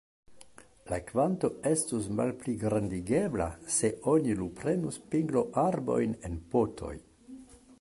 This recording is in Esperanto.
La kvanto estus malpligrandigebla, se oni luprenus pingloarbojn en potoj.